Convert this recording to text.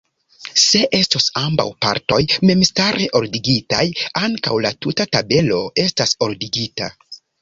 Se estos ambaŭ partoj memstare ordigitaj, ankaŭ la tuta tabelo estas ordigita.